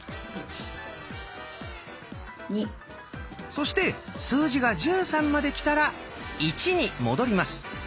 そして数字が「１３」まできたら「１」に戻ります。